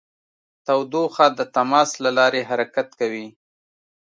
تودوخه د تماس له لارې حرکت کوي.